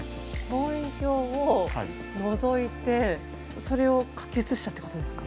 望遠鏡をのぞいてそれを書き写したってことですか？